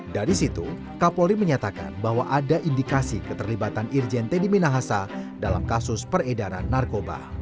dari situ kapolri menyatakan bahwa ada indikasi keterlibatan irjen teddy minahasa dalam kasus peredaran narkoba